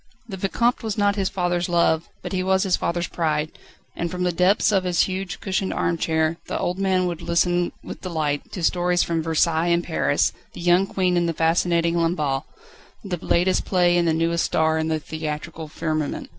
The Vicomte was not his father's love, but he was his father's pride, and from the depths of his huge, cushioned arm chair, the old man would listen with delight to stories from Versailles and Paris, the young Queen and the fascinating Lamballe, the latest play and the newest star in the theatrical firmament.